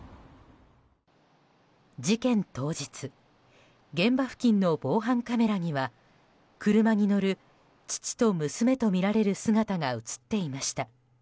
事件当日現場付近の防犯カメラには車に乗る父と娘とみられる姿が映っていました。